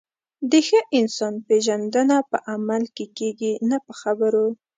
د ښه انسان پیژندنه په عمل کې کېږي، نه په خبرو.